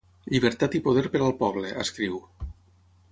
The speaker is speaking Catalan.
Llibertat i poder per al poble, escriu.